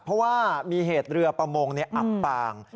เพราะว่ามีเหตุเรือประมงอับปาง